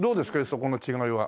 そこの違いは？